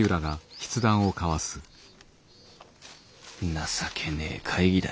「情けねぇ会議だ。